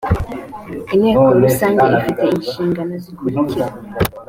inteko rusange ifite inshingano zikurikira